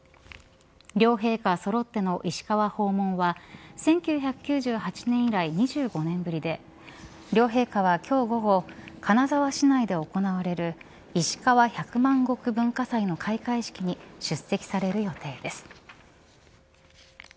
両陛下そろっての石川訪問は１９９８年以来、２５年ぶりで両陛下は今日午後金沢市内で行われるいしかわ百万石文化祭の開会式に出席される予定です。